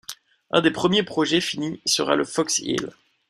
Un des premiers projets fini sera le Fox Hill.